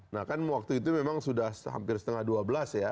nah kan waktu itu memang sudah hampir setengah dua belas ya